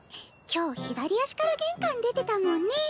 今日左足から玄関出てたもんねぇ。